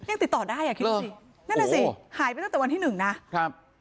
ยังติดต่อได้อ่ะคิดดูสินั่นน่ะสิหายไปตั้งแต่วันที่หนึ่งนะครับ